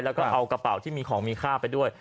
แล้วก็เอากระเป๋าที่มีของมีค่าไปด้วย